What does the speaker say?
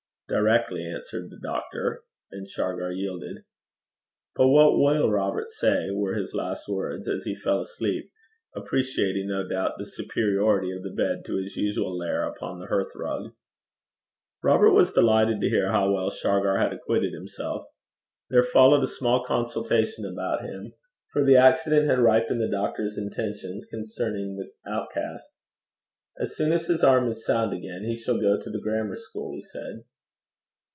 'Directly,' answered the doctor, and Shargar yielded. 'But what will Robert say?' were his last words, as he fell asleep, appreciating, no doubt, the superiority of the bed to his usual lair upon the hearthrug. Robert was delighted to hear how well Shargar had acquitted himself. Followed a small consultation about him; for the accident had ripened the doctor's intentions concerning the outcast. 'As soon as his arm is sound again, he shall go to the grammar school,' he said.